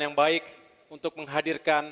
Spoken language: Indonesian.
yang baik untuk menghadirkan